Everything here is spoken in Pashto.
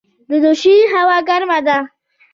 د دوشي هوا ګرمه ده